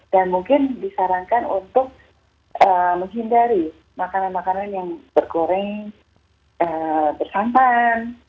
dan mungkin disarankan untuk menghindari makanan makanan yang berkoreng bersantan